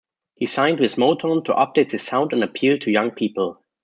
He signed with Motown to update his sound and appeal to young people.